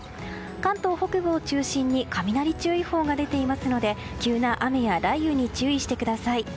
関東北部を中心に雷注意報が出ていますので急な雨や雷雨に注意してください。